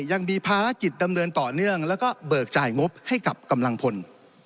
ยังมีภารกิจดำเนินต่อเนื่องแล้วก็เบิกจ่ายงบให้กับกำลังพล